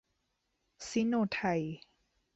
ซิโนไทย